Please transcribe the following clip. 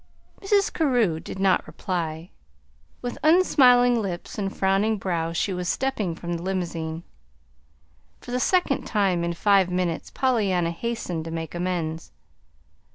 Mrs. Carew did not reply. With unsmiling lips and frowning brow she was stepping from the limousine. For the second time in five minutes, Pollyanna hastened to make amends.